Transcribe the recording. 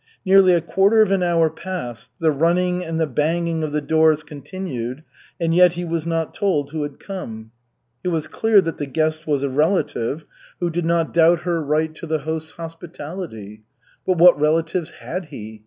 Nearly a quarter of an hour passed, the running and the banging of the doors continued, and yet he was not told who had come. It was clear that the guest was a relative, who did not doubt her right to the host's hospitality. But what relatives had he?